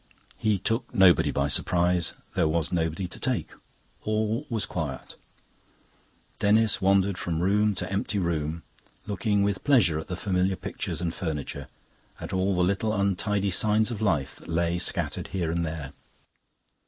He took nobody by surprise; there was nobody to take. All was quiet; Denis wandered from room to empty room, looking with pleasure at the familiar pictures and furniture, at all the little untidy signs of life that lay scattered here and there.